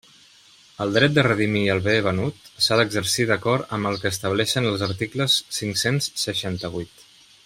El dret de redimir el bé venut s'ha d'exercir d'acord amb el que estableixen els articles cinc-cents seixanta-vuit.